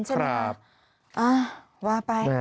เออว่าไป